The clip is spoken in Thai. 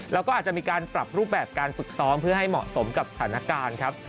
แล้วก็อาจจะมีการปรับรูปแบบการฝึกซ้อมเพื่อให้เหมาะสมกับสถานการณ์ครับ